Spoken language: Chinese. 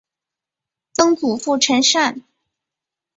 曾祖父陈善。